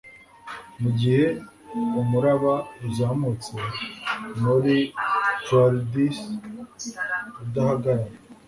Mugihe umuraba uzamutse muri Charybdis udahagarara